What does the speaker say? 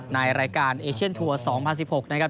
ในรายการเอเชียนทัวร์๒๐๑๖นะครับ